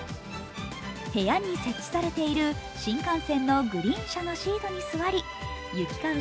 部屋に設置されている新幹線のグリーン車のシートに座り行き交う